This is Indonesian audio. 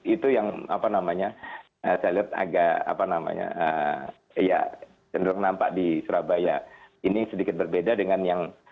itu yang apa namanya saya lihat agak apa namanya ya cenderung nampak di surabaya ini sedikit berbeda dengan yang